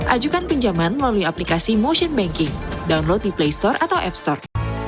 ajukan pinjaman melalui aplikasi motion banking download di play store atau app store